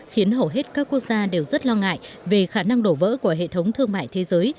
khiến hầu hết các quốc gia đều rất lo ngại về khả năng đổ vỡ của hệ thống thương mại thế giới